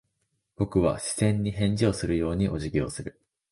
僕は視線に返事をするようにお辞儀をする。